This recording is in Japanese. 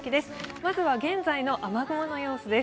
まずは現在の雨雲の様子です。